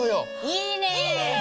いいね！